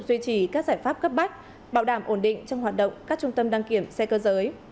duy trì các giải pháp cấp bách bảo đảm ổn định trong hoạt động các trung tâm đăng kiểm xe cơ giới